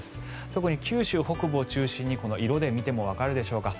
特に九州北部を中心に色で見てもわかるでしょうか